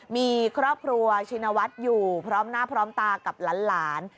มีครอบครัวชินวัฒน์อยู่พร้อมหน้าพร้อมตากับหลาน